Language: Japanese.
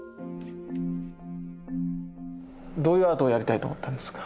どういうアートをやりたいと思ったんですか？